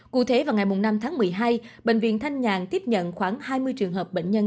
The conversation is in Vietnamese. cụ thể vào ngày năm tháng một mươi hai bệnh viện thanh nhàn tiếp nhận khoảng hai mươi trường hợp bệnh nhân